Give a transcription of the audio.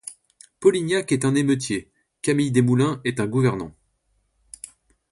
Polignac est un émeutier; Camille Desmoulins est un gouvernant.